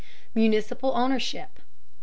MUNICIPAL OWNERSHIP 338.